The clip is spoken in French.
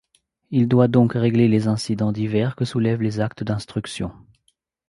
Il doit donc régler les incidents divers que soulèvent les actes d’instruction.